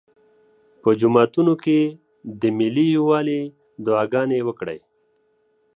په جوماتونو کې د ملي یووالي دعاګانې وکړئ.